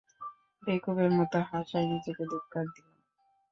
বেকুবের মতো হাসায় নিজেকে ধিক্কার দিলাম।